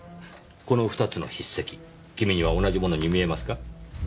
この２つの筆跡君には同じものに見えますか？